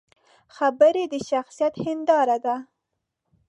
خبرې د شخصیت هنداره ده